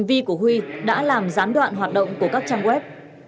hành vi của huy đã làm gián đoạn hoạt động của các trang web